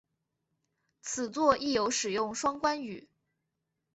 此作亦有使用双关语。